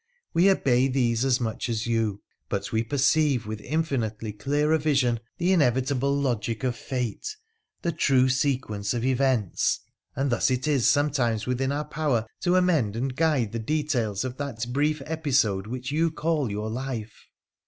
We obey these aa 92 WONDERFUL ADVENTURES OF much as you, but we perceive with infinitely clearer vision the inevitable logic of fate, the true sequence of events, and thus it is sometimes within our power to amend and guide the details of that brief episode which you call your life.'